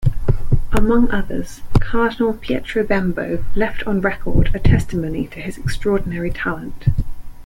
Among others, Cardinal Pietro Bembo left on record a testimony to his extraordinary talent.